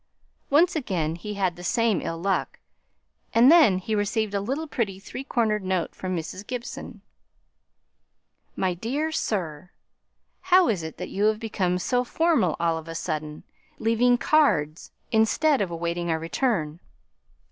Once again he had the same ill luck, and then he received a little pretty three cornered note from Mrs. Gibson: MY DEAR SIR, How is it that you are become so formal all on a sudden, leaving cards, instead of awaiting our return?